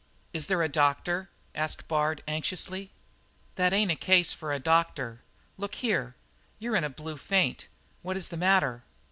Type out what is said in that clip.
"Is there a doctor?" asked Bard anxiously. "That ain't a case for a doctor look here; you're in a blue faint. What is the matter?"